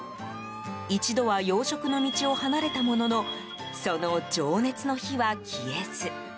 一度は洋食の道を離れたもののその情熱の火は消えず。